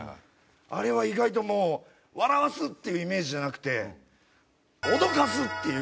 あれは意外ともう笑わすっていうイメージじゃなくて脅かすっていう。